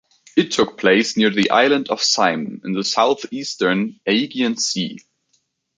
It took place near the island of Syme in the south-eastern Aegean Sea.